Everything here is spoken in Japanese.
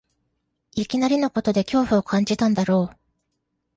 いきなりのことで恐怖を感じたんだろう